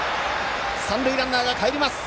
三塁ランナーがかえります。